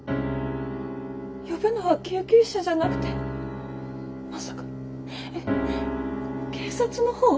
呼ぶのは救急車じゃなくてまさか警察のほう？